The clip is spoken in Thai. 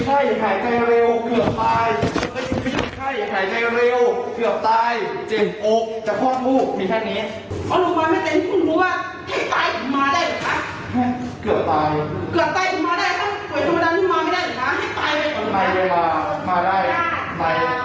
ไอ้ริวเกือบตายจิบอกจะพ่อผู้มีแค่นี้